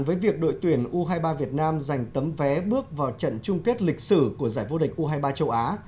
với việc đội tuyển u hai mươi ba việt nam giành tấm vé bước vào trận chung kết lịch sử của giải vô địch u hai mươi ba châu á